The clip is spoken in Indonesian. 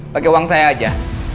pake uang saya aja